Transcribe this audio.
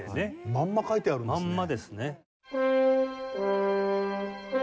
まんま書いてあるんですね。